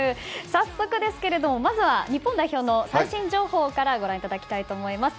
早速ですがまずは日本代表の最新情報からご覧いただきたいと思います。